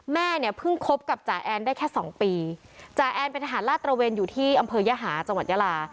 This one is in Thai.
แม่เนี่ยเพิ่งคบกับจ่าแอนได้แค่สองปีจ่าแอนเป็นทหารลาดตระเวนอยู่ที่อำเภอยหาจังหวัดยาลา